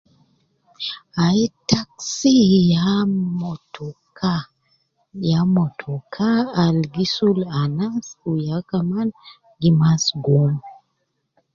Ai taxi ya motoka, ya motoka al gi sul anas wu ya kaman gi mas gwom